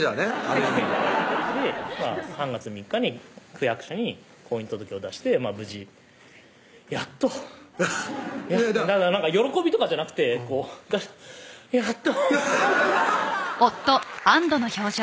ある意味３月３日に区役所に婚姻届を出して無事やっとだから喜びとかじゃなくて「あっやっと」